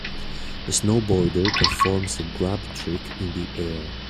A snowboarder performs a grab trick in the air.